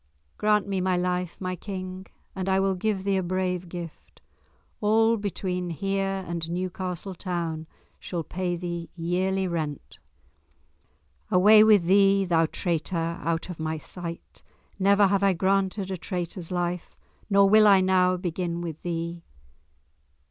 "Grant me my life, my King, and I will give thee a brave gift. All between here and Newcastle town shall pay thee yearly rent." "Away with thee, thou traitor, out of my sight! Never have I granted a traitor's life, nor will I now begin with thee!"